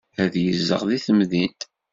Ad yezdeɣ deg temdint.